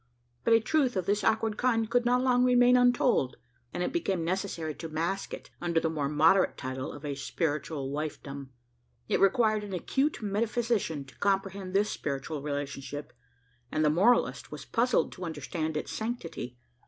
But a truth of this awkward kind could not long remain untold; and it became necessary to mask it under the more moderate title of a spiritual wifedom. It required an acute metaphysician to comprehend this spiritual relationship; and the moralist was puzzled to understand its sanctity.